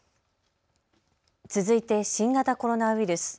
続いて新型コロナウイルス。